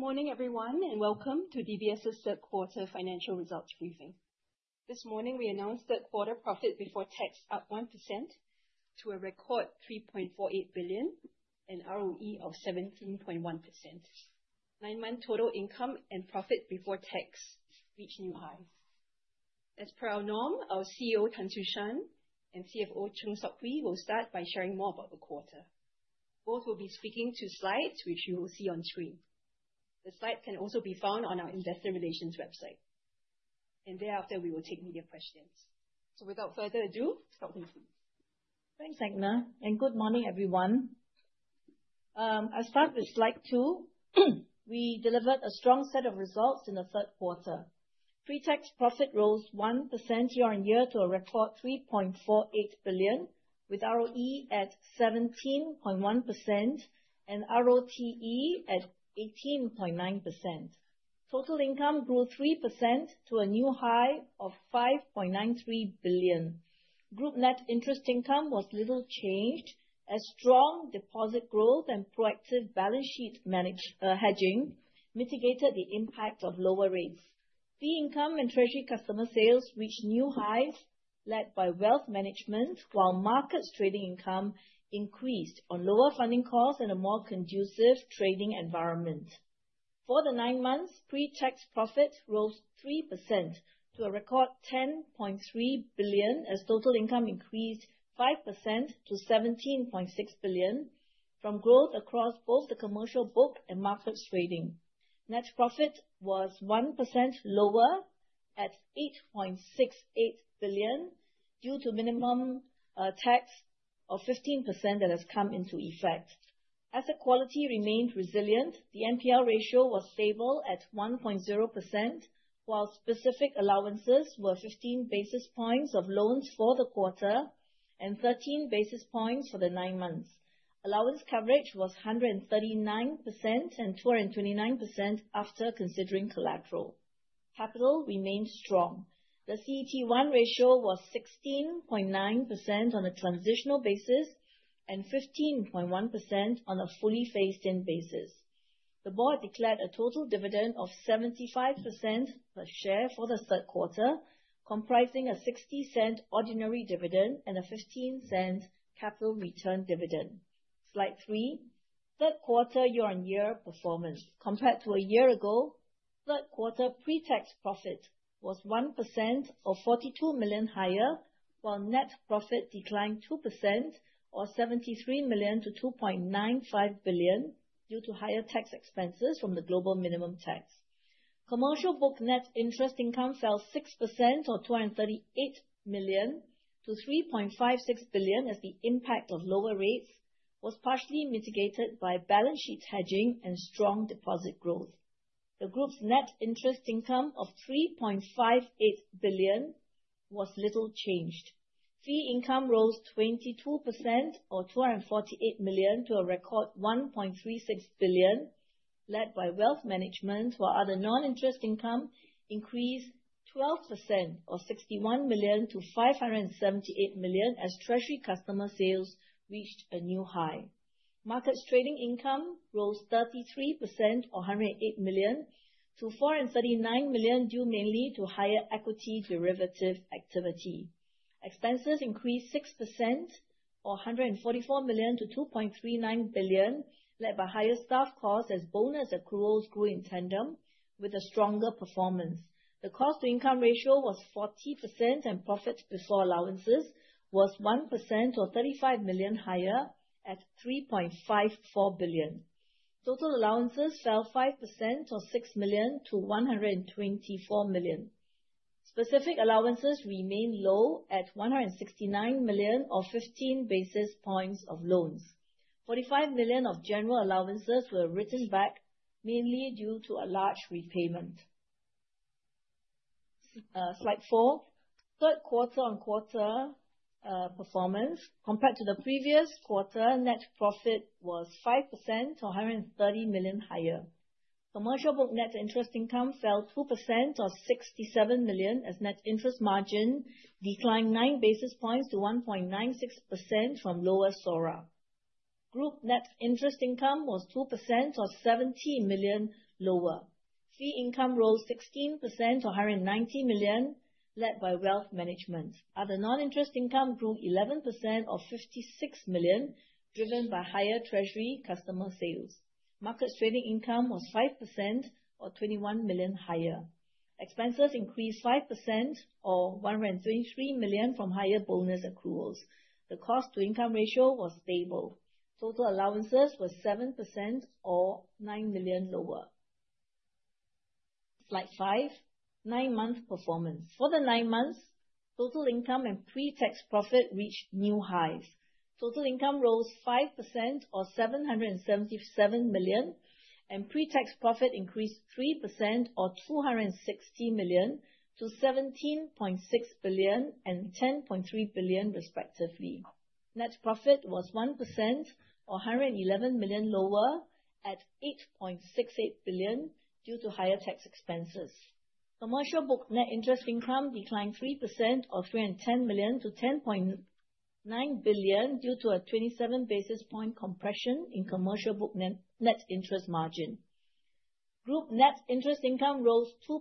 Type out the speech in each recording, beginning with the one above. Good morning, everyone, and welcome to DBS's third-quarter financial results briefing. This morning, we announced third-quarter profit before tax up 1% to a record 3.48 billion and ROE of 17.1%. Nine-month total income and profit before tax reached new highs. As per our norm, our CEO, Tan Su Shan, and CFO, Chng Sok Hui, will start by sharing more about the quarter. Both will be speaking to slides, which you will see on screen. The slides can also be found on our Investment Relations website. And thereafter, we will take media questions. So without further ado, Chng Sok Hui, please. Thanks, Edna. And good morning, everyone. I'll start with slide two. We delivered a strong set of results in the third quarter. Pre-tax profit rose 1% year-on-year to a record $3.48 billion, with ROE at 17.1% and ROTE at 18.9%. Total income grew 3% to a new high of $5.93 billion. Group net interest income was little changed, as strong deposit growth and proactive balance sheet hedging mitigated the impact of lower rates. Fee income and treasury customer sales reached new highs led by wealth management, while market trading income increased on lower funding costs and a more conducive trading environment. For the nine months, pre-tax profit rose 3% to a record $10.3 billion, as total income increased 5% to $17.6 billion from growth across both the commercial book and markets trading. Net profit was 1% lower at $8.68 billion due to minimum tax of 15% that has come into effect. Asset quality remained resilient. The NPL ratio was stable at 1.0%, while specific allowances were 15 basis points of loans for the quarter and 13 basis points for the nine months. Allowance coverage was 139% and 229% after considering collateral. Capital remained strong. The CET1 ratio was 16.9% on a transitional basis and 15.1% on a fully phased-in basis. The board declared a total dividend of 75% per share for the third quarter, comprising a $0.60 ordinary dividend and a $0.15 capital return dividend. Slide three. Third-quarter year-on-year performance. Compared to a year ago, third-quarter pre-tax profit was 1% or $42 million higher, while net profit declined 2% or $73 million to $2.95 billion due to higher tax expenses from the global minimum tax. Commercial book net interest income fell 6% or 238 million to 3.56 billion, as the impact of lower rates was partially mitigated by balance sheet hedging and strong deposit growth. The group's net interest income of 3.58 billion was little changed. Fee income rose 22% or 248 million to a record 1.36 billion, led by wealth management, while other non-interest income increased 12% or 61 million to 578 million, as treasury customer sales reached a new high. Markets trading income rose 33% or 108 million to 439 million, due mainly to higher equity derivative activity. Expenses increased 6% or 144 million to 2.39 billion, led by higher staff costs, as bonus accruals grew in tandem with a stronger performance. The cost-to-income ratio was 40%, and profit before allowances was 1% or 35 million higher at 3.54 billion. Total allowances fell 5% or 6 million to 124 million. Specific allowances remained low at $169 million or 15 basis points of loans. $45 million of general allowances were written back, mainly due to a large repayment. Slide four. Third-quarter on quarter performance. Compared to the previous quarter, net profit was 5% or $130 million higher. Commercial book net interest income fell 2% or $67 million, as net interest margin declined 9 basis points to 1.96% from lower SORA. Group net interest income was 2% or $70 million lower. Fee income rose 16% or $190 million, led by wealth management. Other non-interest income grew 11% or $56 million, driven by higher treasury customer sales. Markets trading income was 5% or $21 million higher. Expenses increased 5% or $123 million from higher bonus accruals. The cost-to-income ratio was stable. Total allowances were 7% or $9 million lower. Slide five. Nine-month performance. For the nine months, total income and pre-tax profit reached new highs. Total income rose 5% or 777 million, and pre-tax profit increased 3% or 260 million to 17.6 billion and 10.3 billion, respectively. Net profit was 1% or 111 million lower at 8.68 billion, due to higher tax expenses. Commercial book net interest income declined 3% or 310 million to 10.9 billion, due to a 27 basis point compression in commercial book net interest margin. Group net interest income rose 2%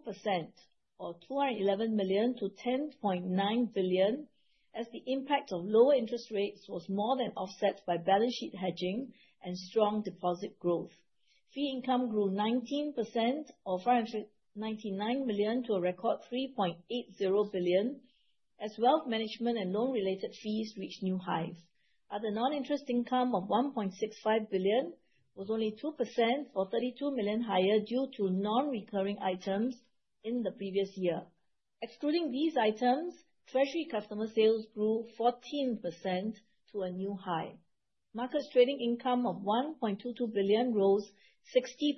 or 211 million to 10.9 billion, as the impact of lower interest rates was more than offset by balance sheet hedging and strong deposit growth. Fee income grew 19% or 499 million to a record 3.80 billion, as wealth management and loan-related fees reached new highs. Other non-interest income of 1.65 billion was only 2% or 32 million higher, due to non-recurring items in the previous year. Excluding these items, treasury customer sales grew 14% to a new high. Markets trading income of 1.22 billion rose 60%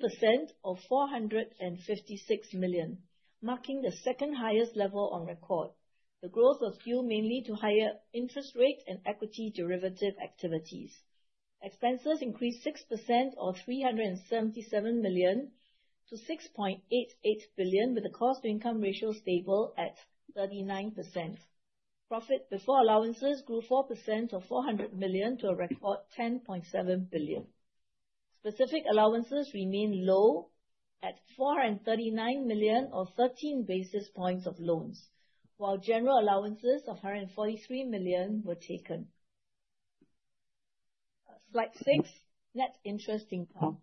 or 456 million, marking the second highest level on record. The growth was due mainly to higher interest rates and equity derivative activities. Expenses increased 6% or SGD 377 million-SGD 6.88 billion, with the cost-to-income ratio stable at 39%. Profit before allowances grew 4% or 400 million to a record 10.7 billion. Specific allowances remained low at 439 million or 13 basis points of loans, while general allowances of 143 million were taken. Slide six. Net interest income.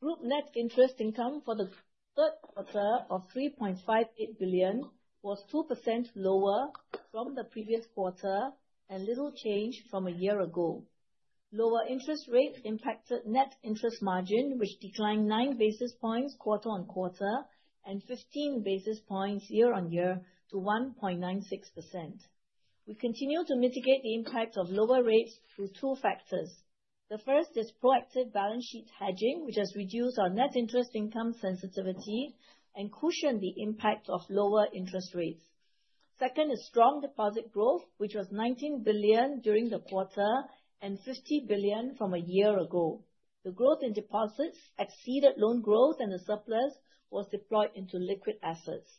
Group net interest income for the third quarter of 3.58 billion was 2% lower from the previous quarter and little changed from a year ago. Lower interest rates impacted net interest margin, which declined 9 basis points quarter on quarter and 15 basis points year-on-year to 1.96%. We continue to mitigate the impact of lower rates through two factors. The first is proactive balance sheet hedging, which has reduced our net interest income sensitivity and cushioned the impact of lower interest rates. Second is strong deposit growth, which was 19 billion during the quarter and 50 billion from a year ago. The growth in deposits exceeded loan growth, and the surplus was deployed into liquid assets.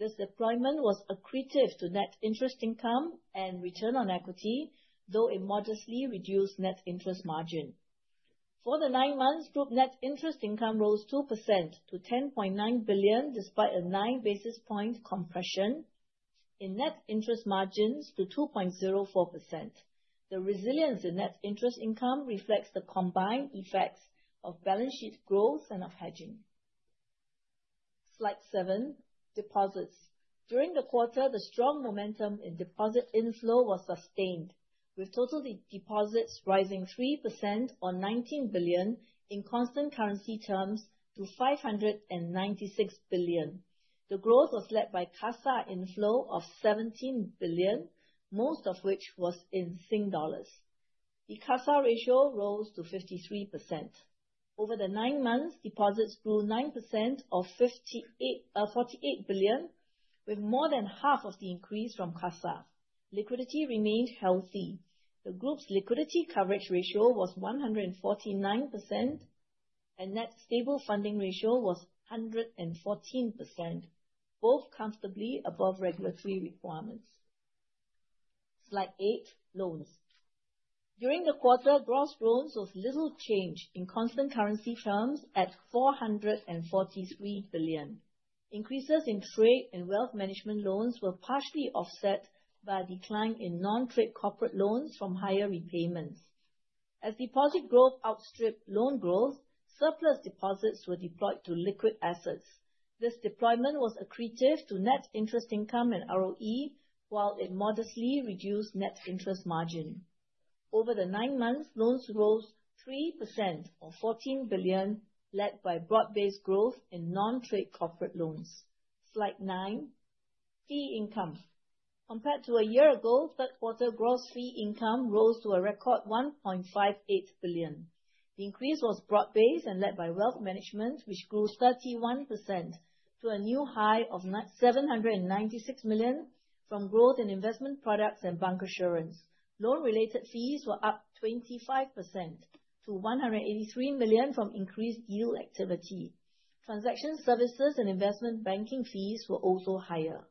This deployment was accretive to net interest income and return on equity, though it modestly reduced net interest margin. For the nine months, group net interest income rose 2% to 10.9 billion, despite a 9 basis point compression in net interest margins to 2.04%. The resilience in net interest income reflects the combined effects of balance sheet growth and of hedging. Slide seven. Deposits. During the quarter, the strong momentum in deposit inflow was sustained, with total deposits rising 3% or 19 billion in constant currency terms to 596 billion. The growth was led by cash inflow of 17 billion, most of which was in SGD. The cash ratio rose to 53%. Over the nine months, deposits grew 9% or 48 billion, with more than half of the increase from cash. Liquidity remained healthy. The group's liquidity coverage ratio was 149%, and net stable funding ratio was 114%, both comfortably above regulatory requirements. Slide eight. Loans. During the quarter, gross loans was little changed in constant currency terms at 443 billion. Increases in trade and wealth management loans were partially offset by a decline in non-trade corporate loans from higher repayments. As deposit growth outstripped loan growth, surplus deposits were deployed to liquid assets. This deployment was accretive to net interest income and ROE, while it modestly reduced net interest margin. Over the nine months, loans rose 3% or 14 billion, led by broad-based growth in non-trade corporate loans. Slide nine. Fee income. Compared to a year ago, third-quarter gross fee income rose to a record SGD 1.58 billion. The increase was broad-based and led by wealth management, which grew 31% to a new high of 796 million from growth in investment products and bancassurance. Loan-related fees were up 25% to 183 million from increased deal activity. Transaction services and investment banking fees were also higher.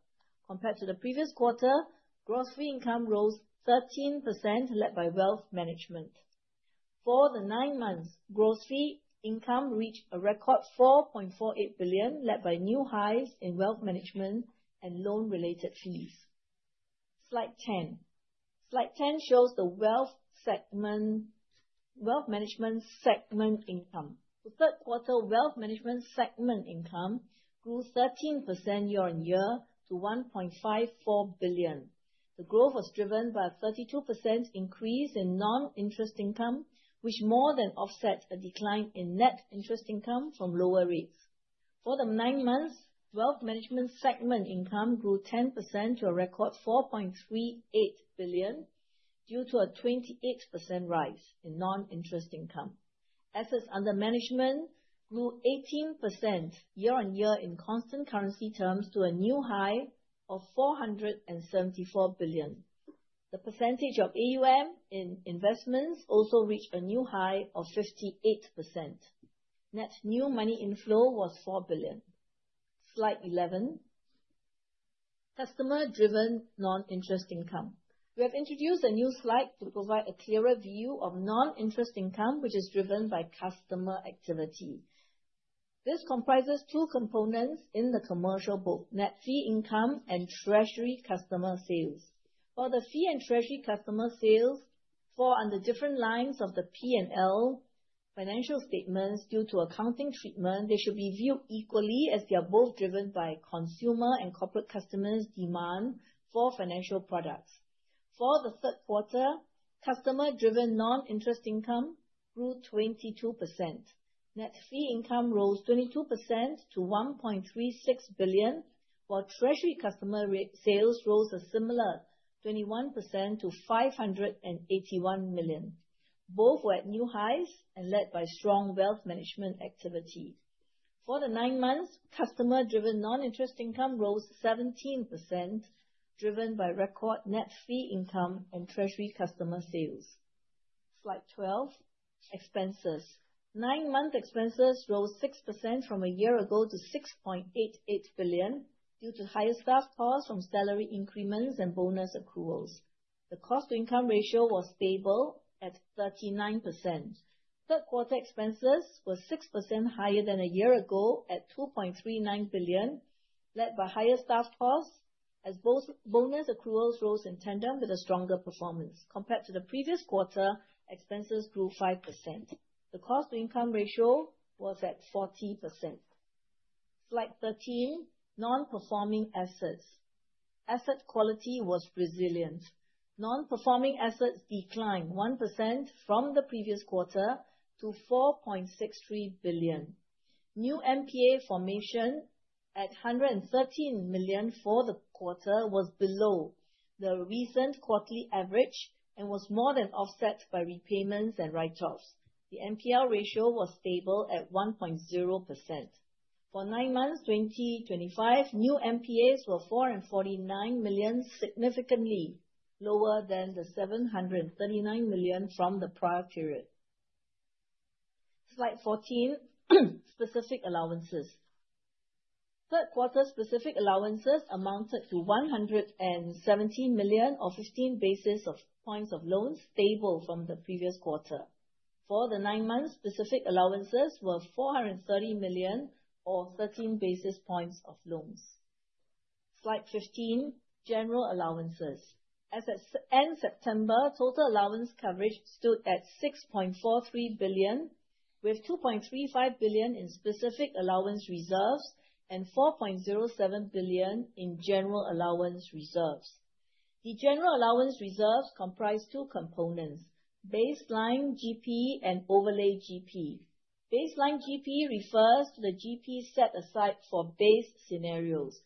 Compared to the previous quarter, gross fee income rose 13%, led by wealth management. For the nine months, gross fee income reached a record 4.48 billion, led by new highs in wealth management and loan-related fees. Slide ten. Slide ten shows the wealth management segment income. The third-quarter wealth management segment income grew 13% year-on-year to 1.54 billion. The growth was driven by a 32% increase in non-interest income, which more than offsets a decline in net interest income from lower rates. For the nine months, wealth management segment income grew 10% to a record 4.38 billion, due to a 28% rise in non-interest income. Assets under management grew 18% year-on-year in constant currency terms to a new high of 474 billion. The percentage of AUM in investments also reached a new high of 58%. Net new money inflow was 4 billion. Slide 11. Customer-driven non-interest income. We have introduced a new slide to provide a clearer view of non-interest income, which is driven by customer activity. This comprises two components in the commercial book: net fee income and treasury customer sales. For the fee and treasury customer sales, fall under different lines of the P&L financial statements due to accounting treatment, they should be viewed equally as they are both driven by consumer and corporate customers' demand for financial products. For the third quarter, customer-driven non-interest income grew 22%. Net fee income rose 22% to 1.36 billion, while treasury customer sales rose a similar 21% to 581 million. Both were at new highs and led by strong wealth management activity. For the nine months, customer-driven non-interest income rose 17%, driven by record net fee income and treasury customer sales. Slide 12. Expenses. Nine-month expenses rose 6% from a year ago to 6.88 billion, due to higher staff costs from salary increments and bonus accruals. The cost-to-income ratio was stable at 39%. Third-quarter expenses were 6% higher than a year ago at 2.39 billion, led by higher staff costs, as both bonus accruals rose in tandem with a stronger performance. Compared to the previous quarter, expenses grew 5%. The cost-to-income ratio was at 40%. Slide thirteen. Non-performing assets. Asset quality was resilient. Non-performing assets declined 1% from the previous quarter to 4.63 billion. New NPA formation at 113 million for the quarter was below the recent quarterly average and was more than offset by repayments and write-offs. The NPL ratio was stable at 1.0%. For nine months 2025, new NPAs were 449 million, significantly lower than the 739 million from the prior period. Slide fourteen. Specific allowances. Third-quarter specific allowances amounted to 170 million or 15 basis points of loans, stable from the previous quarter. For the nine months, specific allowances were 430 million or 13 basis points of loans. Slide fifteen. General allowances. As at end September, total allowance coverage stood at 6.43 billion, with 2.35 billion in specific allowance reserves and 4.07 billion in general allowance reserves. The general allowance reserves comprise two components: baseline GP and overlay GP. Baseline GP refers to the GP set aside for base scenarios.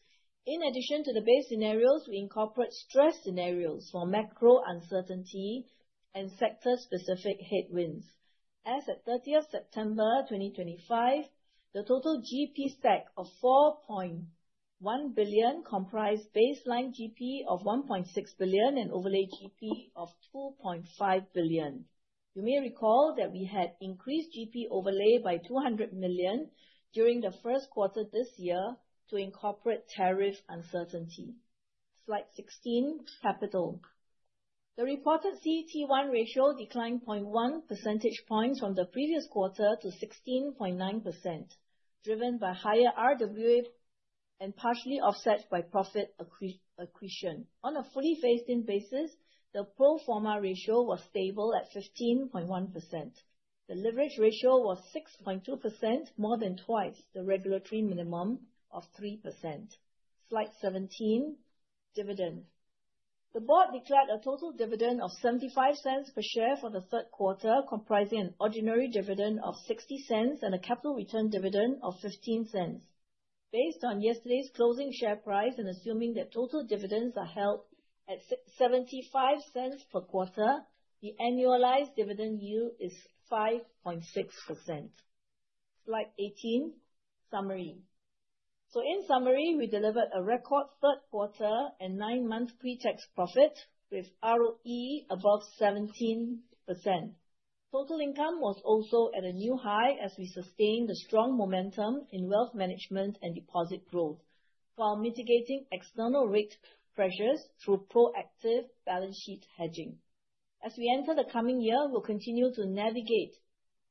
In addition to the base scenarios, we incorporate stress scenarios for macro uncertainty and sector-specific headwinds. As at 30th September 2025, the total GP stack of 4.1 billion comprised baseline GP of 1.6 billion and overlay GP of 2.5 billion. You may recall that we had increased GP overlay by 200 million during the first quarter this year to incorporate tariff uncertainty. Slide sixteen. Capital. The reported CET1 ratio declined 0.1 percentage points from the previous quarter to 16.9%, driven by higher RWA and partially offset by profit accretion. On a fully phased-in basis, the pro forma ratio was stable at 15.1%. The leverage ratio was 6.2%, more than twice the regulatory minimum of 3%. Slide 17. Dividend. The board declared a total dividend of $0.75 per share for the third quarter, comprising an ordinary dividend of $0.60 and a capital return dividend of $0.15. Based on yesterday's closing share price and assuming that total dividends are held at $0.75 per quarter, the annualized dividend yield is 5.6%. Slide 18. Summary. In summary, we delivered a record third quarter and nine-month pre-tax profit, with ROE above 17%. Total income was also at a new high as we sustained the strong momentum in wealth management and deposit growth, while mitigating external rate pressures through proactive balance sheet hedging. As we enter the coming year, we'll continue to navigate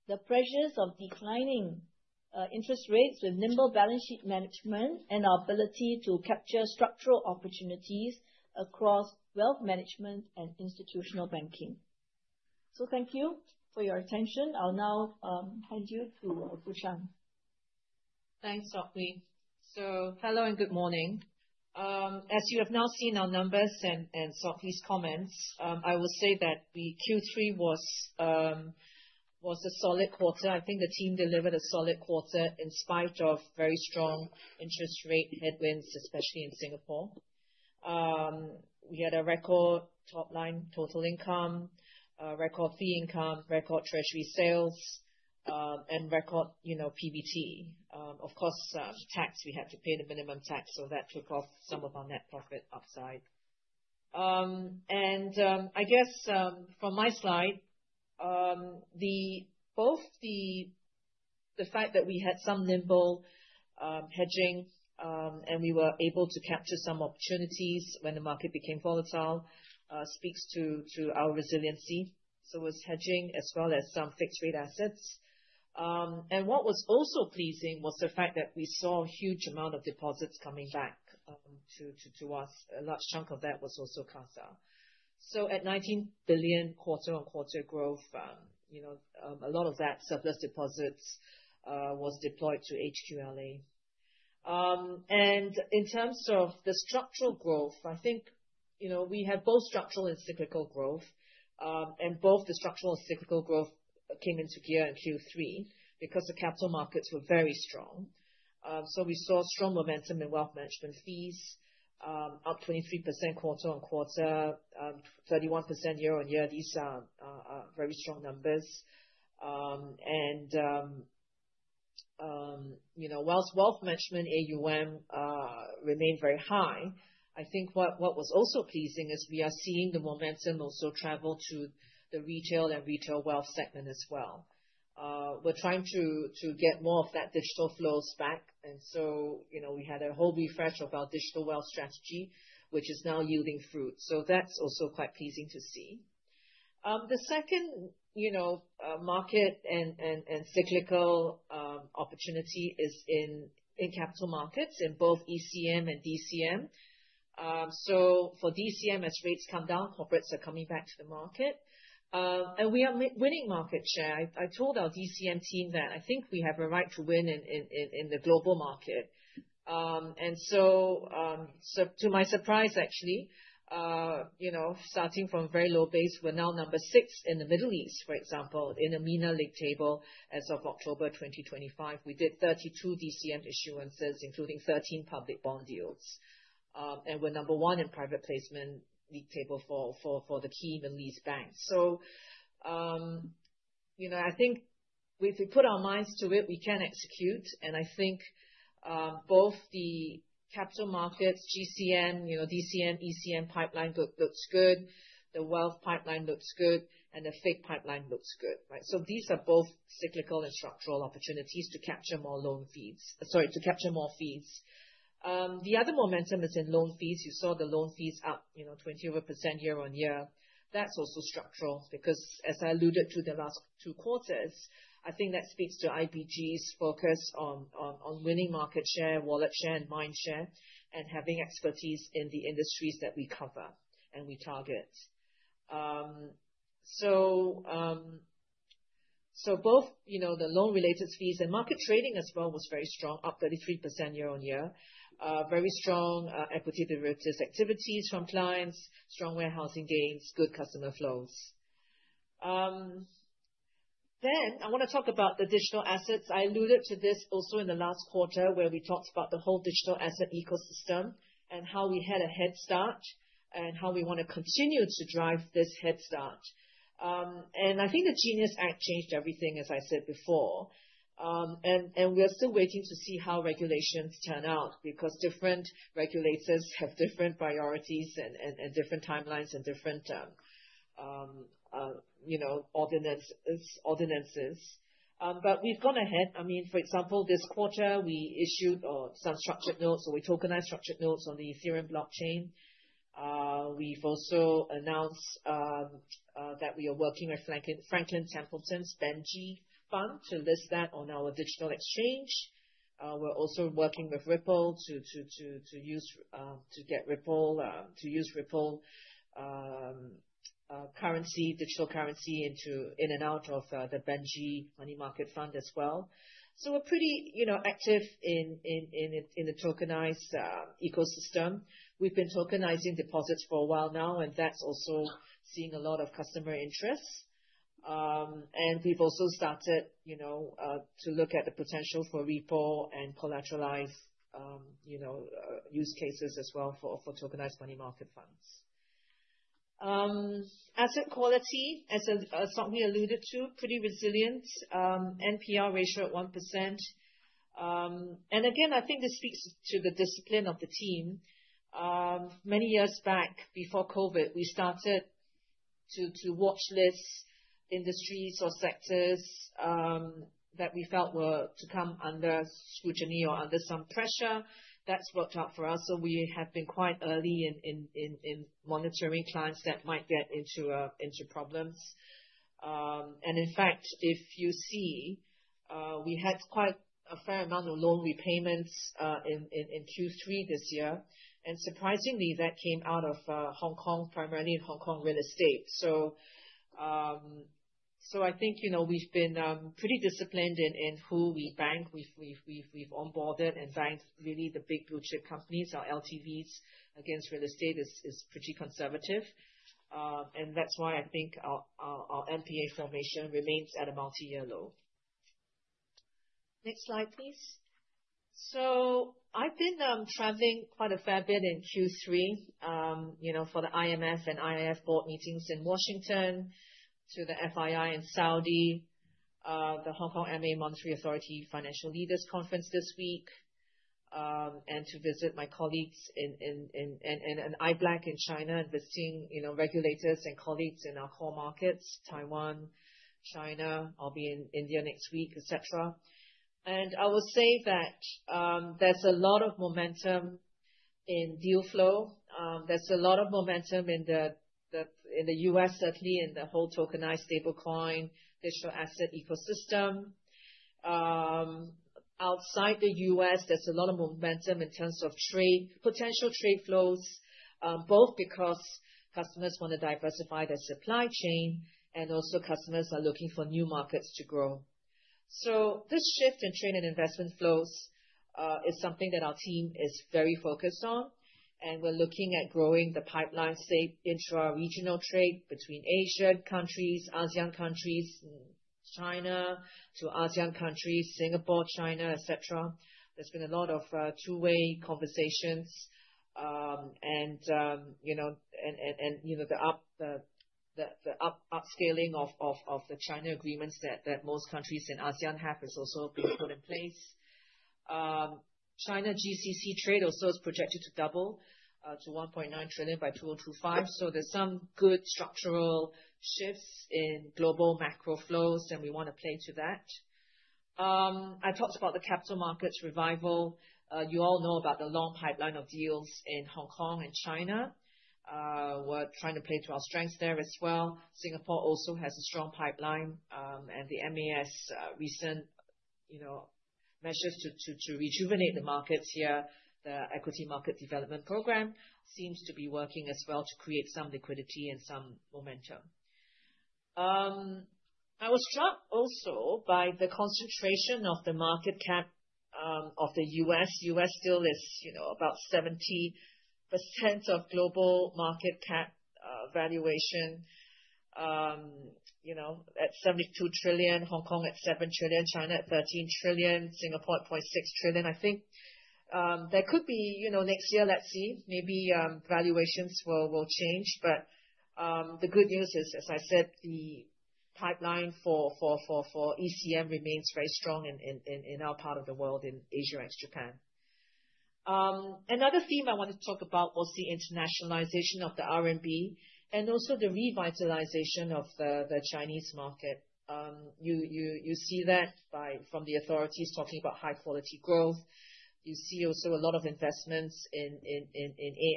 the pressures of declining interest rates with nimble balance sheet management and our ability to capture structural opportunities across wealth management and institutional banking. So thank you for your attention. I'll now hand you to Su Shan. Thanks, Sok Hui. So hello and good morning. As you have now seen our numbers and Sok Hui's comments, I will say that Q3 was a solid quarter. I think the team delivered a solid quarter in spite of very strong interest rate headwinds, especially in Singapore. We had a record top-line total income, record fee income, record treasury sales, and record PBT. Of course, tax, we had to pay the minimum tax, so that took off some of our net profit upside. And I guess from my slide, both the fact that we had some nimble hedging and we were able to capture some opportunities when the market became volatile speaks to our resiliency. So it was hedging as well as some fixed-rate assets. And what was also pleasing was the fact that we saw a huge amount of deposits coming back to us. A large chunk of that was also cash. So, 19 billion quarter-on-quarter growth, a lot of that surplus deposits was deployed to HQLA. And in terms of the structural growth, I think we had both structural and cyclical growth. And both the structural and cyclical growth came into gear in Q3 because the capital markets were very strong. So we saw strong momentum in wealth management fees, up 23% quarter-on-quarter, 31% year-on-year. These are very strong numbers. While wealth management AUM remained very high, I think what was also pleasing is we are seeing the momentum also travel to the retail and retail wealth segment as well. We're trying to get more of that digital flows back. We had a whole refresh of our digital wealth strategy, which is now yielding fruit. That's also quite pleasing to see. The second market and cyclical opportunity is in capital markets in both ECM and DCM. For DCM, as rates come down, corporates are coming back to the market. We are winning market share. I told our DCM team that I think we have a right to win in the global market. To my surprise, actually, starting from a very low base, we're now number six in the Middle East, for example, in a MENA league table as of October 2025. We did 32 DCM issuances, including 13 public bond deals, and we're number one in private placement league table for the key Middle East banks. So I think if we put our minds to it, we can execute, and I think both the capital markets, GCM, DCM, ECM pipeline looks good. The wealth pipeline looks good, and the FIG pipeline looks good, so these are both cyclical and structural opportunities to capture more loan fees, sorry, to capture more fees. The other momentum is in loan fees. You saw the loan fees up 20% year-on-year. That's also structural because, as I alluded to the last two quarters, I think that speaks to IBG's focus on winning market share, wallet share, and mind share, and having expertise in the industries that we cover and we target. So both the loan-related fees and market trading as well was very strong, up 33% year-on-year. Very strong equity derivatives activities from clients, strong warehousing gains, good customer flows. Then I want to talk about the digital assets. I alluded to this also in the last quarter where we talked about the whole digital asset ecosystem and how we had a head start and how we want to continue to drive this head start. And I think the GENIUS Act changed everything, as I said before. And we are still waiting to see how regulations turn out because different regulators have different priorities and different timelines and different ordinances. But we've gone ahead. I mean, for example, this quarter, we issued some structured notes, or we tokenized structured notes on the Ethereum blockchain. We've also announced that we are working with Franklin Templeton's BENJI Fund to list that on our digital exchange. We're also working with Ripple to use to get Ripple to use Ripple currency, digital currency, into in and out of the BENJI Money Market Fund as well. So we're pretty active in the tokenized ecosystem. We've been tokenizing deposits for a while now, and that's also seeing a lot of customer interest. And we've also started to look at the potential for Ripple and collateralized use cases as well for tokenized money market funds. Asset quality, as Sok Hui alluded to, pretty resilient. NPL ratio at 1%. And again, I think this speaks to the discipline of the team. Many years back, before COVID, we started to watch lists of industries or sectors that we felt were to come under scrutiny or under some pressure. That's worked out for us. So we have been quite early in monitoring clients that might get into problems. And in fact, if you see, we had quite a fair amount of loan repayments in Q3 this year. And surprisingly, that came out of Hong Kong, primarily Hong Kong real estate. So I think we've been pretty disciplined in who we bank. We've onboarded and banked really the big blue-chip companies, our LTVs against real estate is pretty conservative. And that's why I think our NPA formation remains at a multi-year low. Next slide, please. I've been traveling quite a fair bit in Q3 for the IMF and IIF board meetings in Washington, to the FII in Saudi Arabia, the Hong Kong Monetary Authority Financial Leaders Conference this week, and to visit my colleagues in our iBlock in China and visiting regulators and colleagues in our core markets, Taiwan, China. I'll be in India next week, etc. I will say that there's a lot of momentum in deal flow. There's a lot of momentum in the U.S., certainly in the whole tokenized stablecoin digital asset ecosystem. Outside the U.S., there's a lot of momentum in terms of potential trade flows, both because customers want to diversify their supply chain and also customers are looking for new markets to grow. This shift in trade and investment flows is something that our team is very focused on. We're looking at growing the pipeline. State intra-regional trade between Asian countries, ASEAN countries, China to ASEAN countries, Singapore, China, etc. There's been a lot of two-way conversations. And the upscaling of the China agreements that most countries in ASEAN have is also being put in place. China GCC trade also is projected to double to $1.9 trillion by 2025. So there's some good structural shifts in global macro flows, and we want to play to that. I talked about the capital markets revival. You all know about the long pipeline of deals in Hong Kong and China. We're trying to play to our strengths there as well. Singapore also has a strong pipeline. And the MAS recent measures to rejuvenate the markets here, the equity market development program, seems to be working as well to create some liquidity and some momentum. I was struck also by the concentration of the market cap of the U.S. U.S. still is about 70% of global market cap valuation at $72 trillion, Hong Kong at $7 trillion, China at $13 trillion, Singapore at $0.6 trillion. I think there could be next year, let's see, maybe valuations will change. But the good news is, as I said, the pipeline for ECM remains very strong in our part of the world in Asia and Japan. Another theme I want to talk about was the internationalization of the RMB and also the revitalization of the Chinese market. You see that from the authorities talking about high-quality growth. You see also a lot of investments in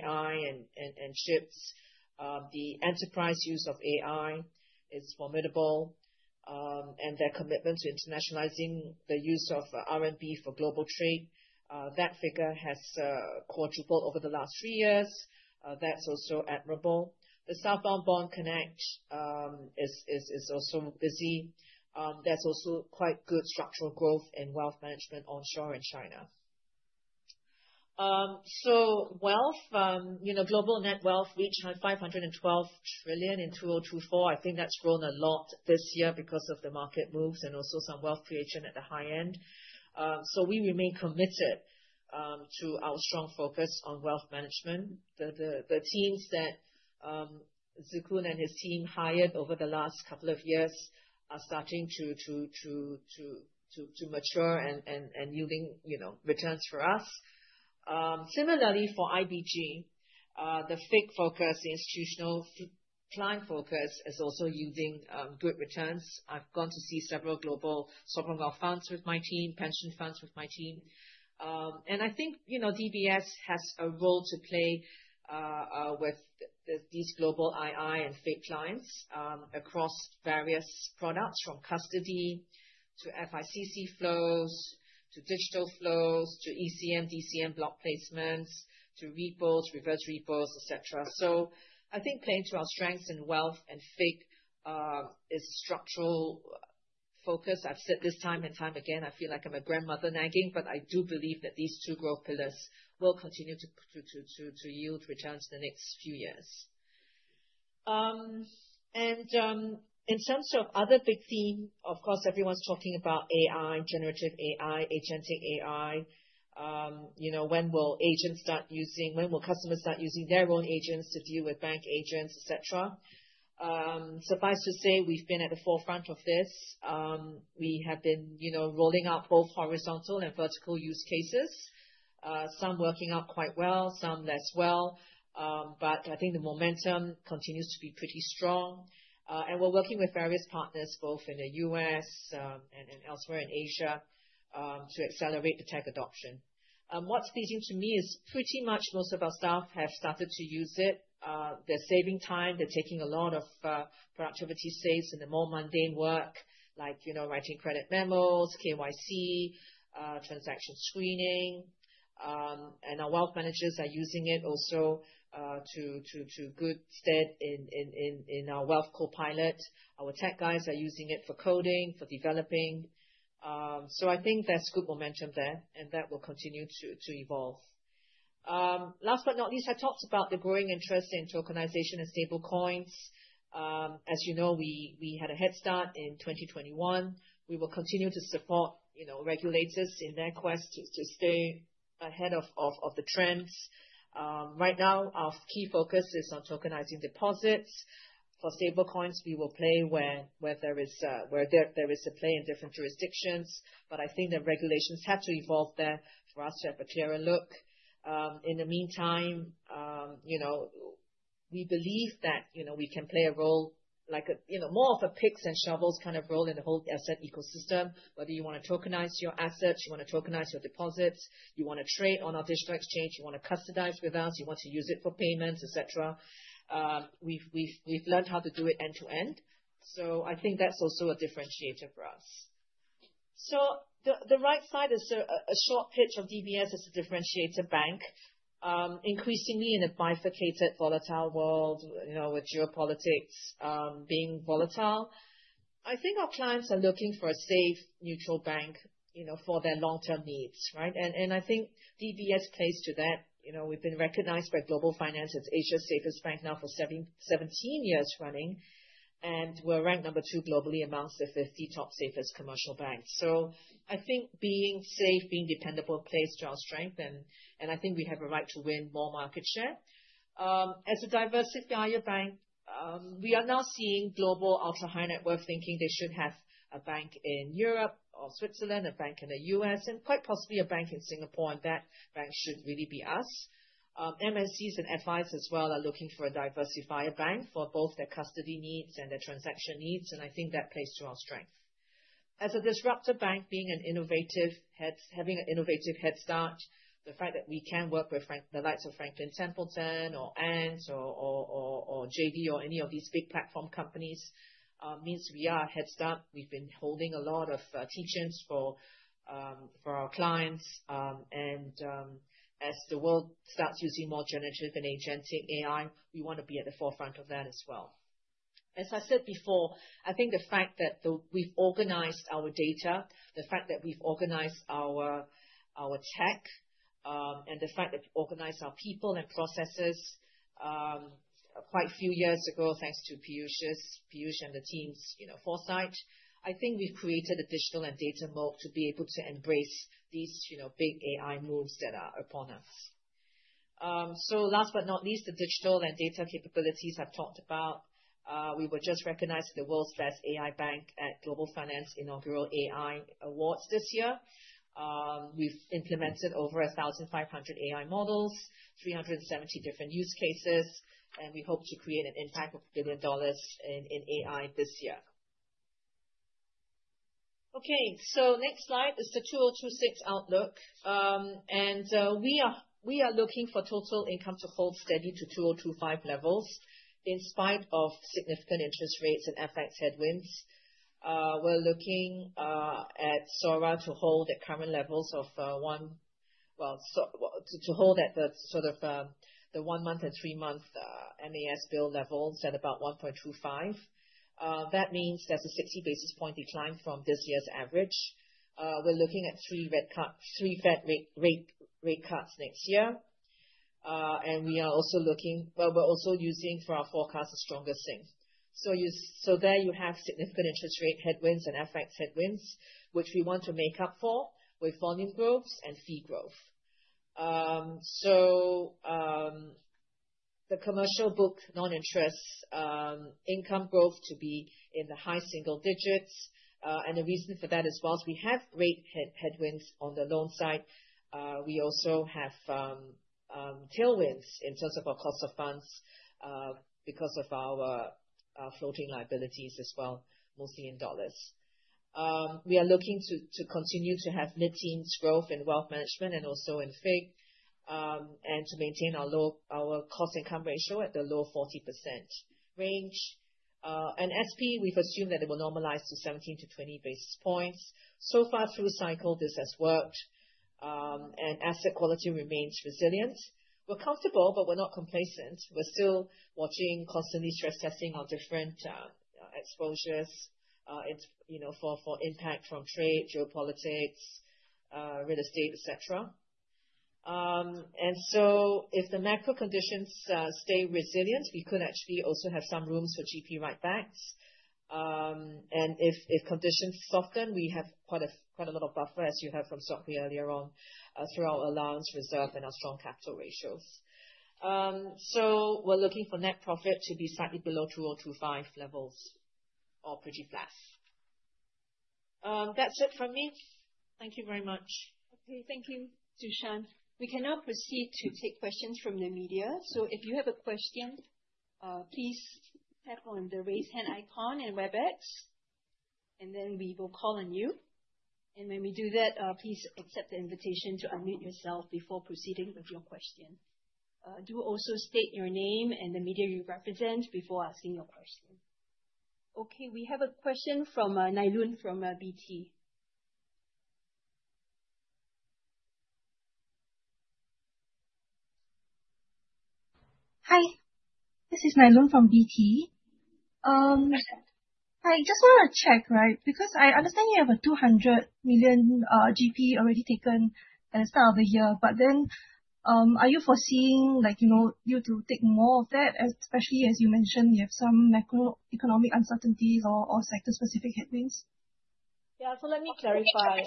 AI and chips. The enterprise use of AI is formidable. Their commitment to internationalizing the use of RMB for global trade, that figure has quadrupled over the last three years. That's also admirable. The Southbound Bond Connect is also busy. There's also quite good structural growth in wealth management onshore in China. So wealth, global net wealth reached $512 trillion in 2024. I think that's grown a lot this year because of the market moves and also some wealth creation at the high end. So we remain committed to our strong focus on wealth management. The teams that Shee Tse Koon and his team hired over the last couple of years are starting to mature and yielding returns for us. Similarly, for IBG, the FIG focus, the institutional client focus is also yielding good returns. I've gone to see several global sovereign wealth funds with my team, pension funds with my team. And I think DBS has a role to play with these global IIF and FIG clients across various products from custody to FICC flows to digital flows to ECM, DCM block placements to rebuilds, reverse rebuilds, etc. So I think playing to our strengths in wealth and FIG is structural focus. I've said this time and time again. I feel like I'm a grandmother nagging, but I do believe that these two growth pillars will continue to yield returns in the next few years. And in terms of other big theme, of course, everyone's talking about AI, generative AI, agentic AI. When will agents start using when will customers start using their own agents to deal with bank agents, etc. Suffice to say, we've been at the forefront of this. We have been rolling out both horizontal and vertical use cases. Some working out quite well, some less well. But I think the momentum continues to be pretty strong. And we're working with various partners, both in the U.S. and elsewhere in Asia, to accelerate the tech adoption. What's pleasing to me is pretty much most of our staff have started to use it. They're saving time. They're taking a lot of productivity saves in the more mundane work, like writing credit memos, KYC, transaction screening. And our wealth managers are using it also to good stead in our Wealth Copilot. Our tech guys are using it for coding, for developing. So I think there's good momentum there, and that will continue to evolve. Last but not least, I talked about the growing interest in tokenization and stablecoins. As you know, we had a head start in 2021. We will continue to support regulators in their quest to stay ahead of the trends. Right now, our key focus is on tokenizing deposits. For stablecoins, we will play where there is a play in different jurisdictions. But I think the regulations have to evolve there for us to have a clearer look. In the meantime, we believe that we can play a role like more of a picks and shovels kind of role in the whole asset ecosystem, whether you want to tokenize your assets, you want to tokenize your deposits, you want to trade on our digital exchange, you want to customize with us, you want to use it for payments, etc. We've learned how to do it end to end. So I think that's also a differentiator for us. So the right side is a short pitch of DBS as a differentiator bank. Increasingly in a bifurcated, volatile world with geopolitics being volatile, I think our clients are looking for a safe, neutral bank for their long-term needs, and I think DBS plays to that. We've been recognized by Global Finance as Asia's safest bank now for 17 years running, and we're ranked number two globally amongst the 50 top safest commercial banks. So I think being safe, being dependable plays to our strength, and I think we have a right to win more market share, so I think being safe, being dependable plays to our strength. As a diversifier bank, we are now seeing global ultra-high net worth thinking they should have a bank in Europe or Switzerland, a bank in the U.S., and quite possibly a bank in Singapore, and that bank should really be us. MNCs and advisors as well are looking for a diversifier bank for both their custody needs and their transaction needs, and I think that plays to our strength. As a disruptor bank, having an innovative head start, the fact that we can work with the likes of Franklin Templeton or Ant or JB or any of these big platform companies means we are a head start. We've been holding a lot of teach-ins for our clients, and as the world starts using more generative and agentic AI, we want to be at the forefront of that as well. As I said before, I think the fact that we've organized our data, the fact that we've organized our tech, and the fact that we organized our people and processes quite a few years ago thanks to Piyush and the team's foresight, I think we've created a digital and data mold to be able to embrace these big AI moves that are upon us. So last but not least, the digital and data capabilities I've talked about. We were just recognized as the world's best AI bank at Global Finance Inaugural AI Awards this year. We've implemented over 1,500 AI models, 370 different use cases, and we hope to create an impact of $1 billion in AI this year. Okay, so next slide is the 2026 outlook. And we are looking for total income to hold steady to 2025 levels in spite of significant interest rates and FX headwinds. We're looking at SORA to hold at current levels of one, well, to hold at the sort of the one-month and three-month MAS bill levels at about 1.25. That means there's a 60 basis point decline from this year's average. We're looking at three Fed rate cuts next year. And we are also looking, well, we're also using for our forecast a stronger SGD. So there you have significant interest rate headwinds and FX headwinds, which we want to make up for with volume growth and fee growth. So the commercial book non-interest income growth to be in the high single digits. And the reason for that is whilst we have great headwinds on the loan side, we also have tailwinds in terms of our cost of funds because of our floating liabilities as well, mostly in dollars. We are looking to continue to have mid-teens growth in wealth management and also in FIG and to maintain our cost-to-income ratio at the low 40% range. And SP, we've assumed that it will normalize to 17-20 basis points. So far through cycle, this has worked. And asset quality remains resilient. We're comfortable, but we're not complacent. We're still watching constantly stress testing our different exposures for impact from trade, geopolitics, real estate, etc. And so if the macro conditions stay resilient, we could actually also have some room for GP writebacks. And if conditions soften, we have quite a lot of buffer, as you heard from Sok Hui earlier on, through our allowance reserve and our strong capital ratios. So we're looking for net profit to be slightly below 2025 levels or pretty flat. That's it from me. Thank you very much. Okay, thank you, Tan Su Shan. We can now proceed to take questions from the media. So if you have a question, please tap on the raise hand icon in Webex, and then we will call on you. And when we do that, please accept the invitation to unmute yourself before proceeding with your name and the media you represent before asking your question. Okay, we have a question from Nylun from BT. Hi, this is Nylun from BT. Hi, just want to check, right? Because I understand you have a 200 million GP already taken at the start of the year, but then are you foreseeing you to take more of that, especially as you mentioned you have some macroeconomic uncertainties or sector-specific headwinds? Yeah, so let me clarify.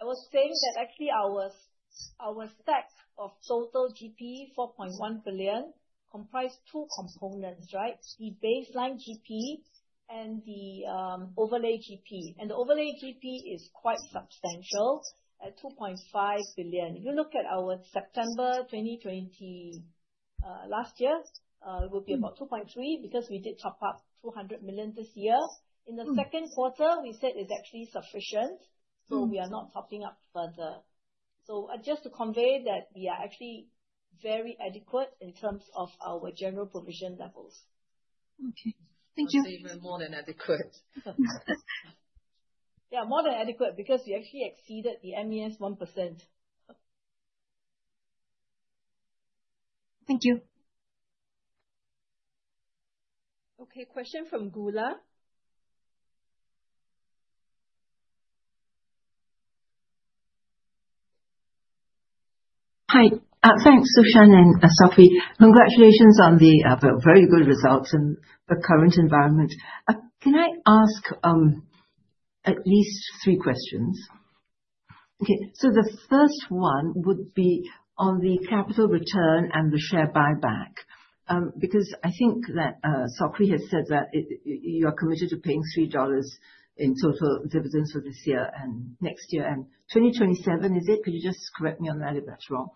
I was saying that actually our stack of total GP, 4.1 billion, comprised two components, right? The baseline GP and the overlay GP. And the overlay GP is quite substantial at 2.5 billion. If you look at our September 2020 last year, it would be about 2.3 billion because we did top up 200 million this year. In the second quarter, we said it's actually sufficient. So we are not topping up further. So just to convey that we are actually very adequate in terms of our general provision levels. Okay, thank you. I'd say we're more than adequate. Yeah, more than adequate because we actually exceeded the MAS 1%. Thank you. Okay, question from Goola. Hi, thanks, Tan Su Shan and Sok Hui. Congratulations on the very good results in the current environment. Can I ask at least three questions? Okay, so the first one would be on the capital return and the share buyback. Because I think that Sok Hui has said that you are committed to paying 3 dollars in total dividends for this year and next year and 2027, is it? Could you just correct me on that if that's wrong?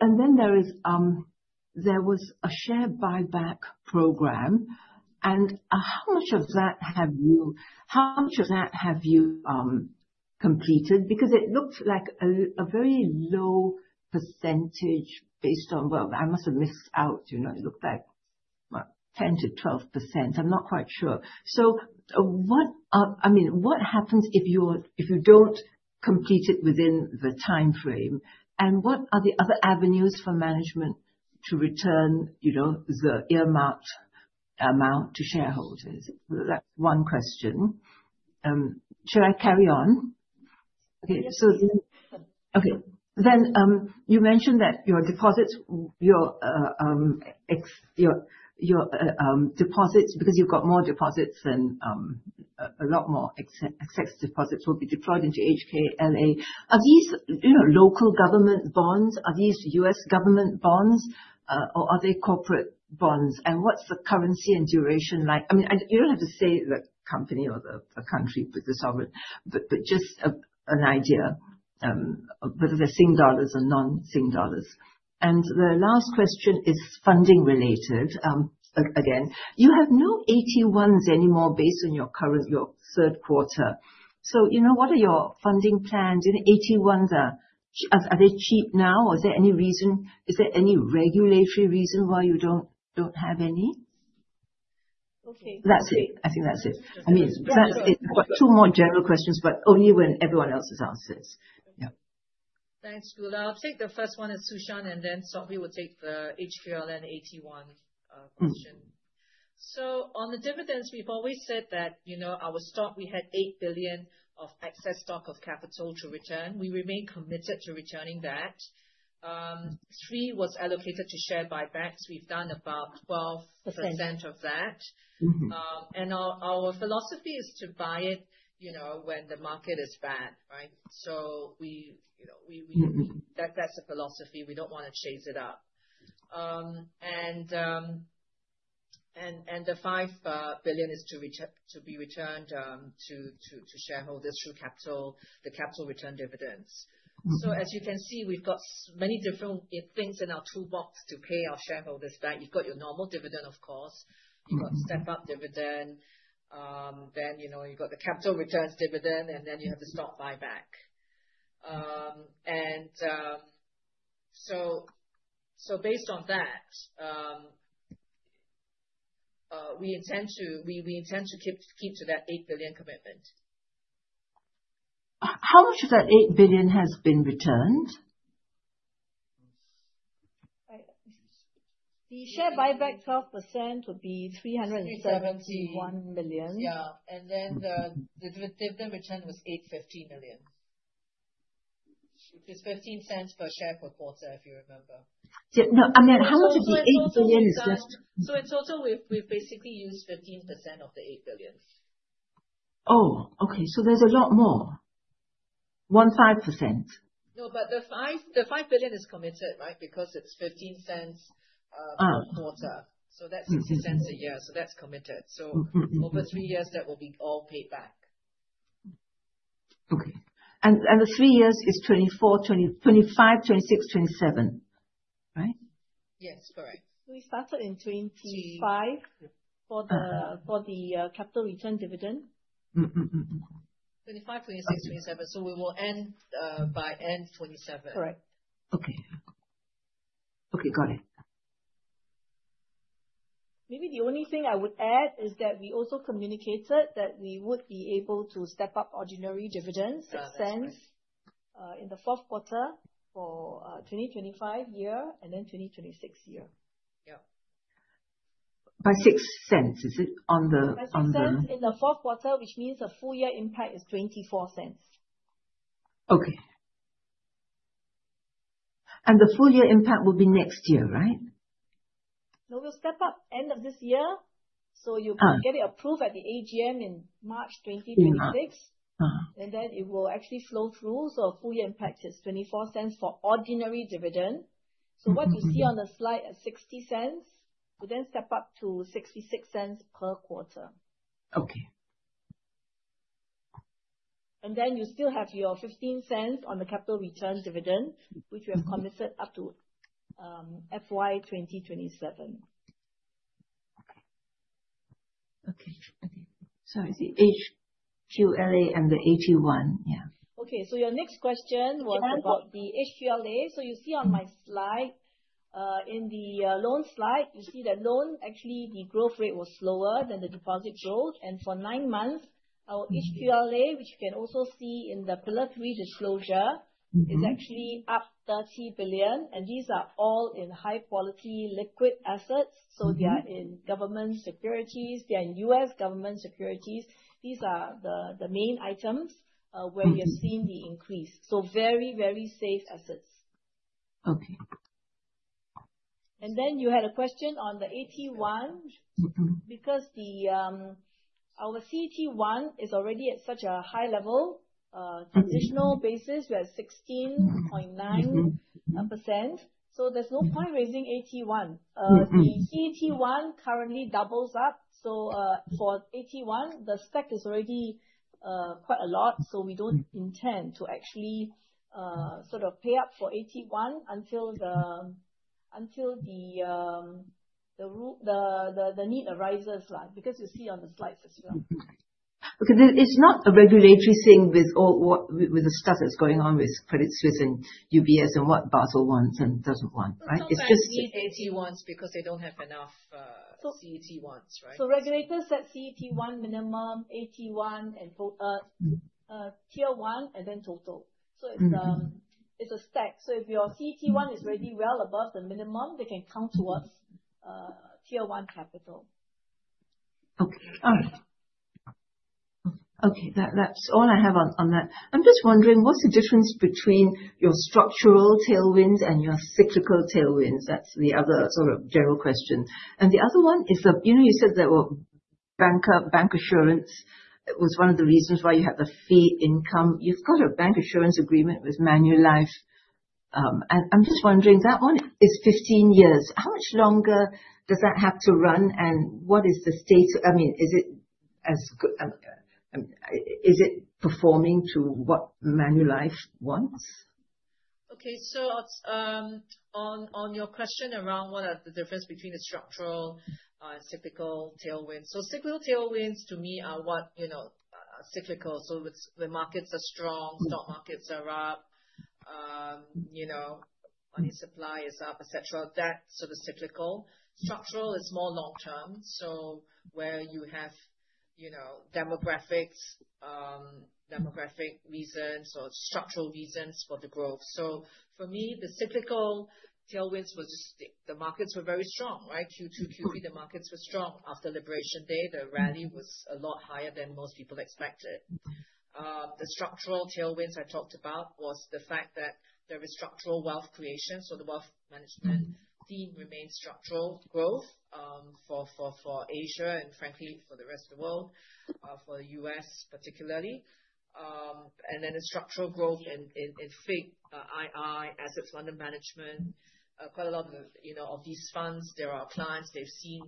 And then there was a share buyback program. And how much of that have you completed? Because it looked like a very low percentage based on, well, I must have missed out. It looked like 10%-12%. I'm not quite sure. So, I mean, what happens if you don't complete it within the timeframe? And what are the other avenues for management to return the earmarked amount to shareholders? That's one question. Should I carry on? Okay, so then you mentioned that your deposits, because you've got more deposits than a lot more excess deposits will be deployed into HQLA. Are these local government bonds? Are these U.S. government bonds? Or are they corporate bonds? And what's the currency and duration like? I mean, you don't have to say the company or the country with the sovereign, but just an idea, whether they're sing dollars or non-sing dollars. And the last question is funding related. Again, you have no AT1s anymore based on your current, your third quarter. So what are your funding plans? AT1s, are they cheap now? Or is there any reason? Is there any regulatory reason why you don't have any? Okay. That's it. I think that's it. I mean, that's it. Two more general questions, but only when everyone else has asked this. Yeah. Thanks, Goola. I'll take the first one as Tan Su Shan, and then Sok Hui will take the HQLA AT1 question. So on the dividends, we've always said that our stock, we had eight billion of excess stock of capital to return. We remain committed to returning that. three billion was allocated to share buybacks. We've done about 12% of that. And our philosophy is to buy it when the market is bad, right? So that's a philosophy. We don't want to chase it up. And the five billion is to be returned to shareholders through capital, the capital return dividends. So as you can see, we've got many different things in our toolbox to pay our shareholders back. You've got your normal dividend, of course. You've got the step-up dividend. Then you've got the capital returns dividend, and then you have the stock buyback. And so based on that, we intend to keep to that eight billion commitment. How much of that eight billion has been returned? The share buyback, 12% would be 371 million. Yeah. And then the dividend return was 850 million, which is SGD 0.15 per share per quarter, if you remember. No, I mean, how much of the 8 billion is just? So in total, we've basically used 15% of the 8 billion. Oh, okay. So there's a lot more. 15%. No, but the 5 billion is committed, right? Because it's 0.15 per quarter. So that's 0.60 a year. So that's committed. So over three years, that will be all paid back. Okay. And the three years is 2025, 2026, 2027, right? Yes, correct. We started in 2025 for the capital return dividend. 2025, 2026, 2027. So we will end by end 2027. Correct. Okay. Okay, got it. Maybe the only thing I would add is that we also communicated that we would be able to step up ordinary dividends, 0.06, in the fourth quarter for 2025 year and then 2026 year. Yeah. By 0.06, is it on the? By 0.06 in the fourth quarter, which means a full year impact is 0.24. Okay. And the full year impact will be next year, right? No, we'll step up end of this year, so you can get it approved at the AGM in March 2026, and then it will actually flow through, so a full year impact is 0.24 for ordinary dividend. So what you see on the slide at 0.60, we then step up to 0.66 per quarter. Okay. And then you still have your 0.15 on the capital return dividend, which we have committed up to FY 2027. Okay. Okay. It's the HQLA and the AT1, yeah. Okay. Your next question was about the HQLA. You see on my slide, in the loan slide, you see that loan. Actually, the growth rate was slower than the deposit growth. For nine months, our HQLA, which you can also see in the Pillar Three disclosure, is actually up 30 billion. These are all in high-quality liquid assets. They are in government securities. They are in U.S. government securities. These are the main items where we have seen the increase. Very, very safe assets. Okay. You had a question on the AT1. Our CET1 is already at such a high level. Transitional basis, we are at 16.9%. There's no point raising AT1. The CET1 currently doubles up. For AT1, the stack is already quite a lot. So we don't intend to actually sort of pay up for AT1 until the need arises, right? Because you see on the slides as well. Because it's not a regulatory thing with the stuff that's going on with Credit Suisse and UBS and what Basel wants and doesn't want, right? It's just. Yeah, they need AT1s because they don't have enough CET1s, right? So regulators set CET1 minimum, AT1, and Tier 1, and then total. So it's a stack. So if your CET1 is already well above the minimum, they can count towards Tier 1 capital. Okay. All right. Okay. That's all I have on that. I'm just wondering, what's the difference between your structural tailwinds and your cyclical tailwinds? That's the other sort of general question. And the other one is that you said that bancassurance was one of the reasons why you have the fee income. You've got a bancassurance agreement with Manulife. And I'm just wondering, that one is 15 years. How much longer does that have to run? And what is the state? I mean, is it performing to what Manulife wants? Okay, so on your question around what are the difference between the structural and cyclical tailwinds. Cyclical tailwinds, to me, are what cyclical. So when markets are strong, stock markets are up, money supply is up, etc., that sort of cyclical. Structural is more long-term. So where you have demographics, demographic reasons, or structural reasons for the growth. For me, the cyclical tailwinds were just the markets were very strong, right? Q2, Q3, the markets were strong. After Liberation Day, the rally was a lot higher than most people expected. The structural tailwinds I talked about was the fact that there was structural wealth creation. So the wealth management theme remained structural growth for Asia and, frankly, for the rest of the world, for the U.S. particularly. And then the structural growth in FIG, IIF assets under management, quite a lot of these funds, there are clients, they've seen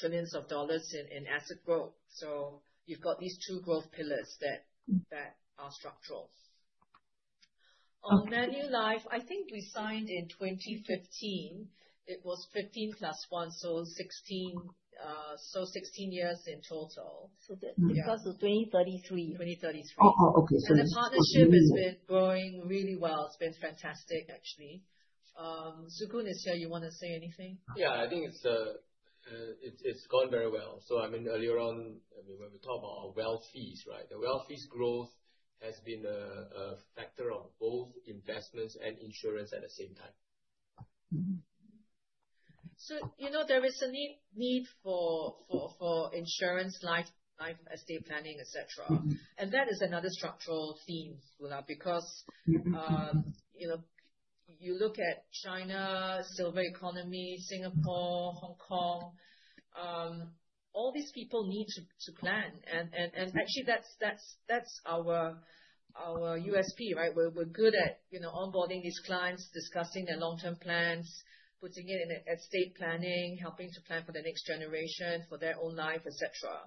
trillions of dollars in asset growth. So you've got these two growth pillars that are structural. On Manulife, I think we signed in 2015. It was 15 plus 1, so 16 years in total. So this is because of 2033. 2033. And the partnership has been growing really well. It's been fantastic, actually. Shee Tse Koon is here. You want to say anything? Yeah, I think it's gone very well. So I mean, earlier on, I mean, when we talk about wealth fees, right? The wealth fees growth has been a factor of both investments and insurance at the same time. So there is a need for insurance, life estate planning, etc. And that is another structural theme, Goola, because you look at China, silver economy, Singapore, Hong Kong, all these people need to plan. And actually, that's our USP, right? We're good at onboarding these clients, discussing their long-term plans, putting it in estate planning, helping to plan for the next generation, for their own life, etc.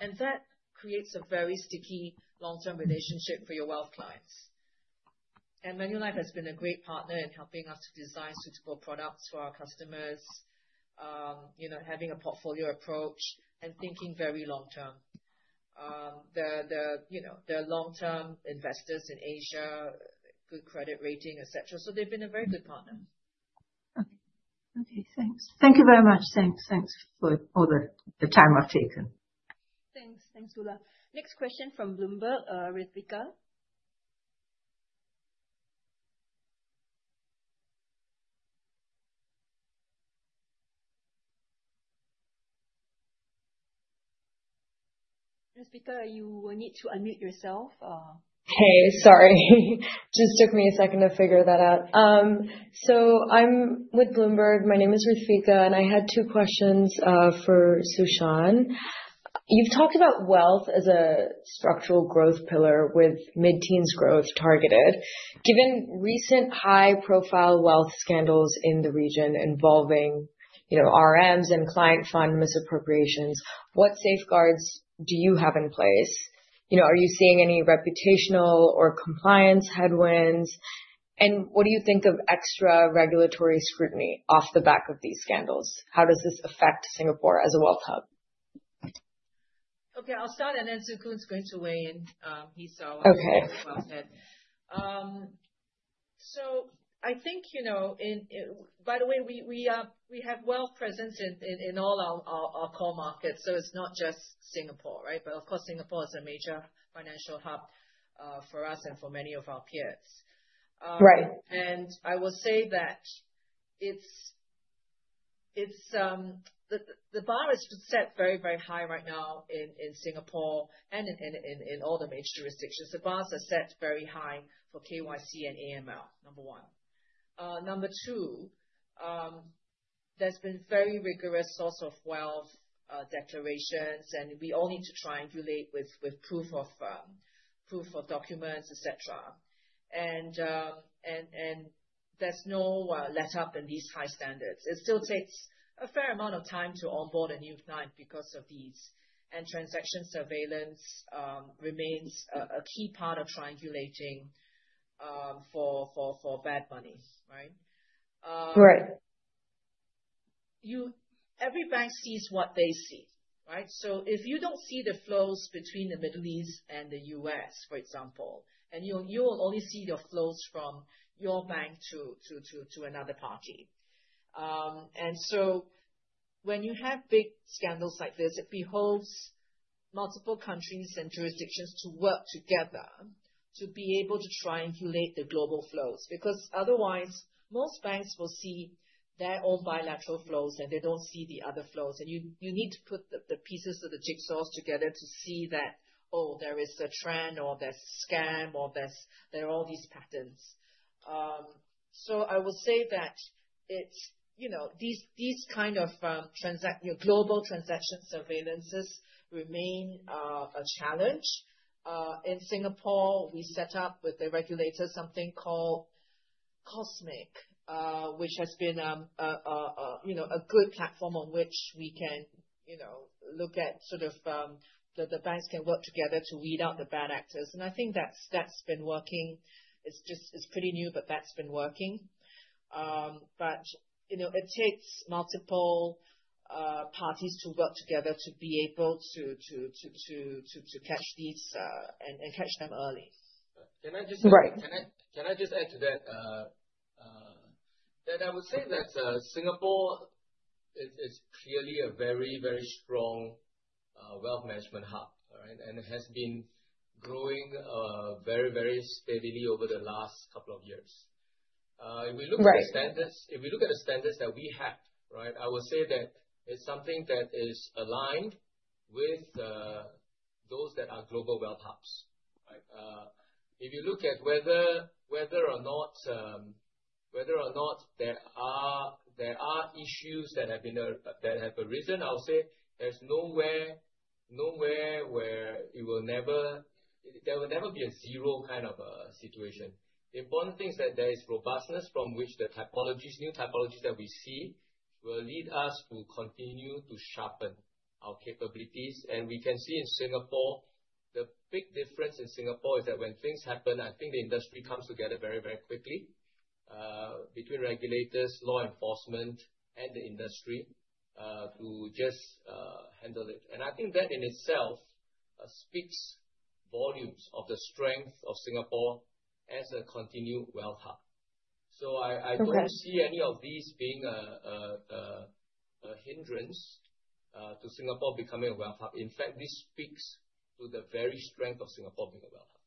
And that creates a very sticky long-term relationship for your wealth clients. And Manulife has been a great partner in helping us to design suitable products for our customers, having a portfolio approach, and thinking very long-term. The long-term investors in Asia, good credit rating, etc. So they've been a very good partner. Okay. Okay. Thanks. Thank you very much. Thanks. Thanks for all the time I've taken. Thanks. Thanks, Goola. Next question from Bloomberg, Rthvika. Rthvika, you will need to unmute yourself. Okay. Sorry. Just took me a second to figure that out. So I'm with Bloomberg. My name is Rthvika, and I had two questions for Su Shan. You've talked about wealth as a structural growth pillar with mid-teens growth targeted. Given recent high-profile wealth scandals in the region involving RMs and client fund misappropriations, what safeguards do you have in place? Are you seeing any reputational or compliance headwinds? And what do you think of extra regulatory scrutiny off the back of these scandals? How does this affect Singapore as a wealth hub? Okay. I'll start, and then Shee Tse Koon's going to weigh in. He saw what Okay. Was said. So I think, by the way, we have wealth presence in all our core markets. So it's not just Singapore, right? But of course, Singapore is a major financial hub for us and for many of our peers. And I will say that the bar is set very, very high right now in Singapore and in all the major jurisdictions. The bars are set very high for KYC and AML, number one. Number two, there's been very rigorous source of wealth declarations, and we all need to triangulate with proof of documents, etc. And there's no let-up in these high standards. It still takes a fair amount of time to onboard a new client because of these. And transaction surveillance remains a key part of triangulating for bad money, right? Right. Every bank sees what they see, right? So if you don't see the flows between the Middle East and the U.S., for example, and you will only see your flows from your bank to another party. And so when you have big scandals like this, it behooves multiple countries and jurisdictions to work together to be able to triangulate the global flows. Because otherwise, most banks will see their own bilateral flows, and they don't see the other flows. And you need to put the pieces of the jigsaws together to see that, oh, there is a trend, or there's a scam, or there are all these patterns. So I will say that these kind of global transaction surveillances remain a challenge. In Singapore, we set up with the regulator something called COSMIC, which has been a good platform on which we can look at sort of the banks can work together to weed out the bad actors. And I think that's been working. It's pretty new, but that's been working. But it takes multiple parties to work together to be able to catch these and catch them early. Can I just add to that? Then I would say that Singapore is clearly a very, very strong wealth management hub, right? And it has been growing very, very steadily over the last couple of years. If we look at the standards that we have, right, I will say that it's something that is aligned with those that are global wealth hubs, right? If you look at whether or not there are issues that have arisen, I'll say there's nowhere where it will never be a zero kind of a situation. The important thing is that there is robustness from which the new typologies that we see will lead us to continue to sharpen our capabilities. We can see in Singapore, the big difference in Singapore is that when things happen, I think the industry comes together very, very quickly between regulators, law enforcement, and the industry to just handle it. I think that in itself speaks volumes of the strength of Singapore as a continued wealth hub. I don't see any of these being a hindrance to Singapore becoming a wealth hub. In fact, this speaks to the very strength of Singapore being a wealth hub.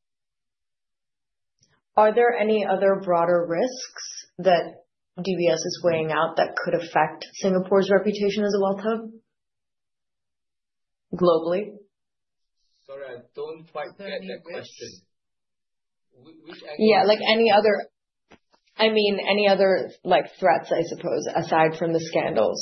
Are there any other broader risks that DBS is weighing out that could affect Singapore's reputation as a wealth hub globally? Sorry, I don't quite get that question. Which angle? Yeah, like any other I mean, any other threats, I suppose, aside from the scandals.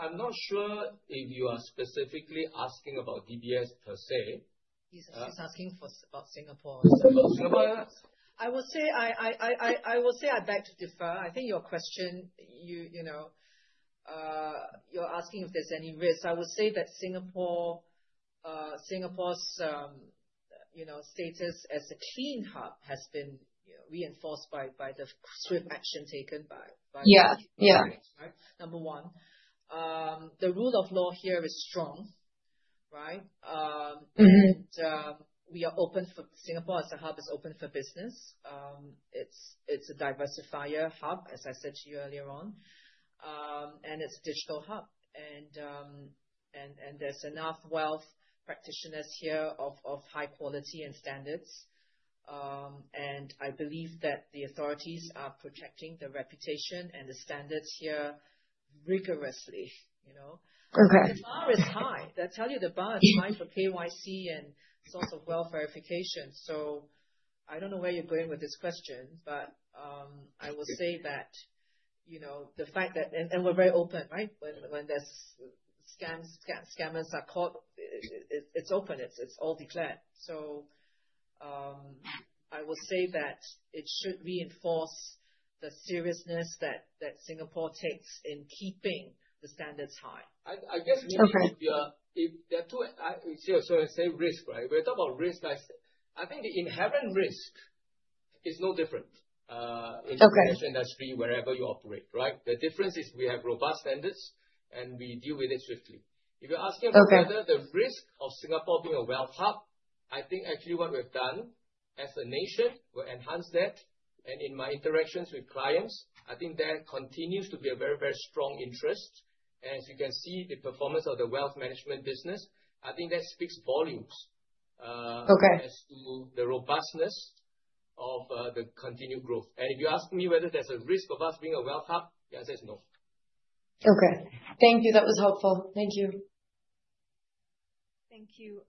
I'm not sure if you are specifically asking about DBS per se. She's asking about Singapore. I will say I beg to differ. I think your question, you're asking if there's any risk. I would say that Singapore's status as a clean hub has been reinforced by the swift action taken by the authorities, right? Number one. The rule of law here is strong, right? And we are open for Singapore as a hub is open for business. It's a diversifier hub, as I said to you earlier on. And it's a digital hub. And there's enough wealth practitioners here of high quality and standards. And I believe that the authorities are protecting the reputation and the standards here rigorously. The bar is high. They'll tell you the bar is high for KYC and source of wealth verification. So I don't know where you're going with this question, but I will say that the fact that and we're very open, right? When there's scammers are caught, it's open. It's all declared. So I will say that it should reinforce the seriousness that Singapore takes in keeping the standards high. I guess maybe if there are two so I say risk, right? When we talk about risk, I think the inherent risk is no different in the financial industry wherever you operate, right? The difference is we have robust standards, and we deal with it swiftly. If you're asking about whether the risk of Singapore being a wealth hub, I think actually what we've done as a nation will enhance that. And in my interactions with clients, I think there continues to be a very, very strong interest. And as you can see, the performance of the wealth management business, I think that speaks volumes as to the robustness of the continued growth. And if you ask me whether there's a risk of us being a wealth hub, the answer is no. Okay. Thank you. That was helpful. Thank you. Thank you.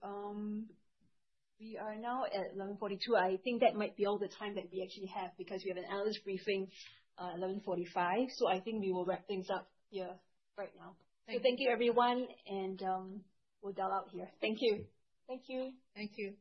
We are now at 11:42 A.M. I think that might be all the time that we actually have because we have an analyst briefing at 11:45 A.M. So I think we will wrap things up here right now. So thank you, everyone. And we'll dial out here. Thank you. Thank you. Thank you.